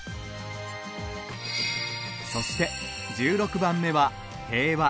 そして１６番目は「平和」。